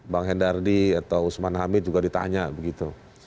bang hendardi atau usman hamid juga ditanya begitu